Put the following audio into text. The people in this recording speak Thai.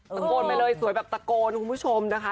ตะโกนไปเลยสวยแบบตะโกนคุณผู้ชมนะคะ